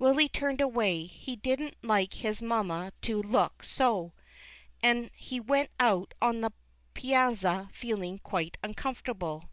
Willy turned away ; he didn't like his mamma to look so, and he went out on the piazza feeling quite uncomfortable.